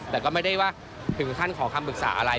แต่ก็ไม่ได้ว่าถึงขั้นขอคำปรึกษาอะไร